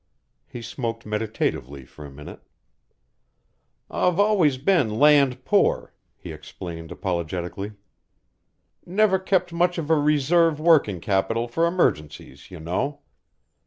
He smoked meditatively for a minute. "I've always been land poor," he explained apologetically. "Never kept much of a reserve working capital for emergencies, you know.